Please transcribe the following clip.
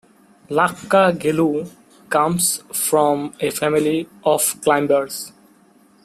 Lhakpa Gelu comes from a family of climbers.